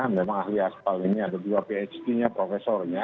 memang ahli aspal ini ada dua phd nya profesornya